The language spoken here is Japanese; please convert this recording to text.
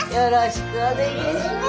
よろしくお願いします。